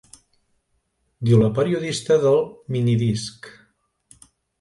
Diu la periodista del minidisc—.